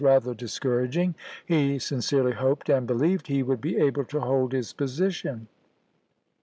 rather discouraging, he sincerely hoped and be lieved he would be able to hold his position.